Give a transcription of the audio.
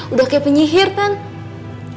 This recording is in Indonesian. udah kayak penyihir tante